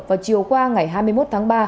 vào chiều qua ngày hai mươi một tháng ba